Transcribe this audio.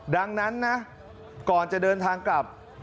ดังนั้นนะก่อนจะเดินทางกลับ